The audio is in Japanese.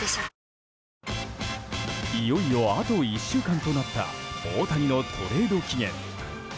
いよいよ、あと１週間となった大谷のトレード期限。